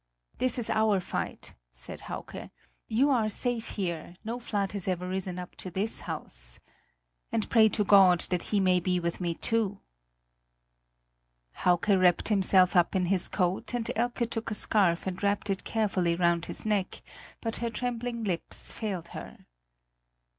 "This is our fight!" said Hauke, "you are safe here; no flood has ever risen up to this house. And pray to God that He may be with me too!" Hauke wrapped himself up in his coat, and Elke took a scarf and wrapped it carefully round his neck, but her trembling lips failed her.